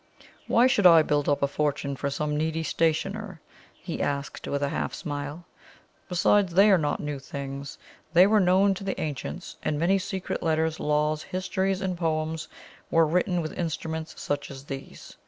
"Why should I build up a fortune for some needy stationer?" he asked, with a half smile. "Besides, they are not new things. They were known to the ancients, and many secret letters, laws, histories, and poems were written with instruments such as these.